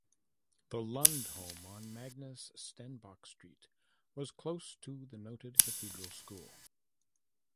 The Lund home on Magnus Stenbock Street was close to the noted Cathedral School.